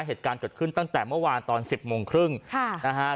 เหตุการณ์เกิดขึ้นตั้งแต่เมื่อวานตอนสิบโมงครึ่งค่ะนะฮะ